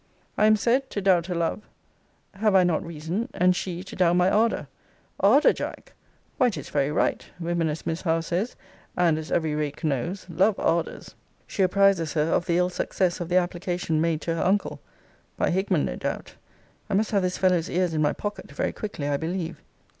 I am said, to doubt her love Have I not reason? And she, to doubt my ardour Ardour, Jack! why, 'tis very right women, as Miss Howe says, and as every rake knows, love ardours! She apprizes her, of the 'ill success of the application made to her uncle.' By Hickman no doubt! I must have this fellow's ears in my pocket, very quickly I believe.